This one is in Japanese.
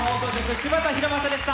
柴田拡正でした。